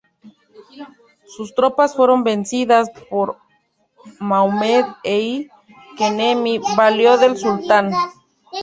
Sus tropas fueron vencidas por Mohamed El-Kanemi, valido del sultán.